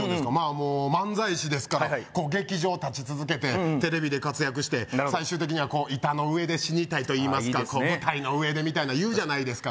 もう漫才師ですから劇場立ち続けてテレビで活躍して最終的には板の上で死にたいといいますか舞台の上でみたいないうじゃないですか